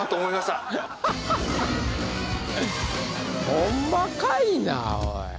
ホンマかいなおい。